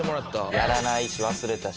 やらないし忘れたし。